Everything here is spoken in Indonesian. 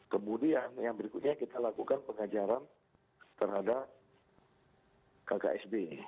kemudian yang berikutnya kita lakukan pengajaran terhadap kksb